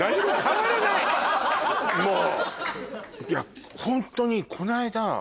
もう！